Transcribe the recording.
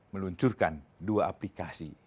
meluncurkan dua aplikasi